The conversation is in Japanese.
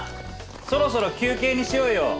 そろそろ休憩にしようよ！